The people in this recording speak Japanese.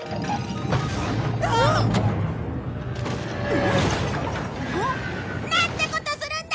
うん？あっ！なんてことするんだ！